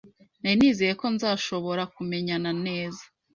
Nari nizeye ko nzashobora kumenyana neza.